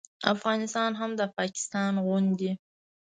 افغانستان هم د پاکستان غوندې